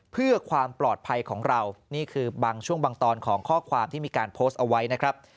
เพื่อความปลอดภัยของเรานี่คือบางช่วงบางตอนของข้อความที่มีการโพสต์เอาไว้นะครับ